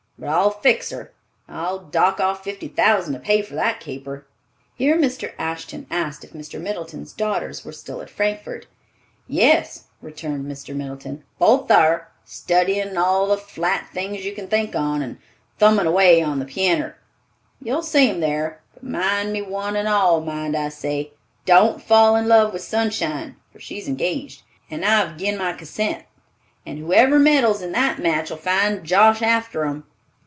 But I'll fix her! I'll dock off fifty thousand to pay for that caper." Here Mr. Ashton asked if Mr. Middleton's daughters were still at Frankfort. "Yes," returned Mr. Middleton, "both thar, study in' all the flat things you can think on, and thummin' away on the pianner. You'll see 'em thar; but mind me one and all, mind I say, don't fall in love with Sunshine, for she's engaged, and I've gin my consent, and whoever meddles in that match'll find Josh after 'em!"